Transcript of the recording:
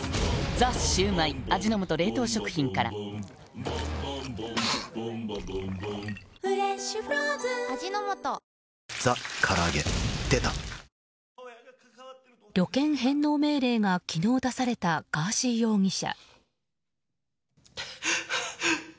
「ザ★シュウマイ」味の素冷凍食品から「ザ★から揚げ」出た旅券返納命令が昨日出されたガーシー容疑者。